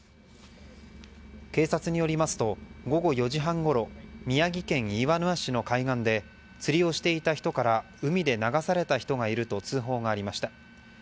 警察によりますと午後４時半ごろ宮城県岩沼市の海岸で釣りをしていた人から海で流された人がいると通報がありました。